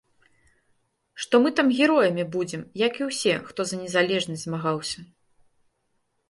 Што мы там героямі будзем, як і ўсе, хто за незалежнасць змагаўся.